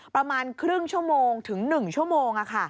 ประมาณครึ่งชั่วโมงถึง๑ชั่วโมง